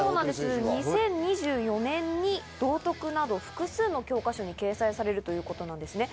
そうなんです、２０２４年に道徳など複数の教科書に掲載されるということです。